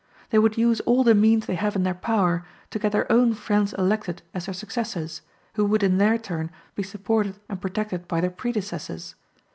They would use all the means they have in their power to get their own friends elected as their successors, who would in their turn be supported and protected by their predecessors.